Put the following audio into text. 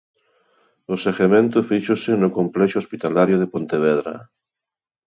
O seguimento fíxose no complexo hospitalario de Pontevedra.